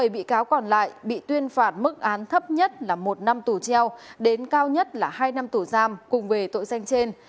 bảy bị cáo còn lại bị tuyên phạt mức án thấp nhất là một năm tù treo đến cao nhất là hai năm tù giam cùng về tội danh trên